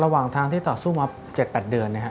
ระหว่างทางที่ต่อสู้วันเจ็ดแปดเดือนเนี้ยฮะ